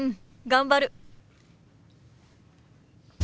頑張る。